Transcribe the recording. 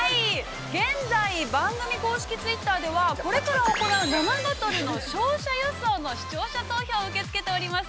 ◆現在番組公式ツイッターではこれから行う生バトルの勝者予想の勝者予想の視聴者投票を受け付けております。